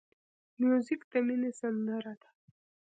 موزیک د مینې سندره ده.